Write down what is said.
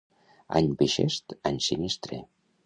Any bixest, any sinistre.